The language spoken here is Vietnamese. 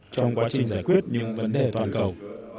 trong quá trình giải quyết những vấn đề toàn cầu